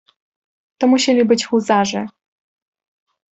"To musieli być huzarzy!"